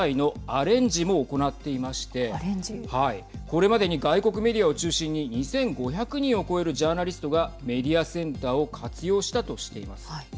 これまでに外国メディアを中心に２５００人を超えるジャーナリストがメディアセンターを活用したとしています。